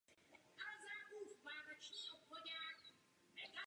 Ze zástavby známe pouze kostel svatého Vavřince ze druhé poloviny jedenáctého století.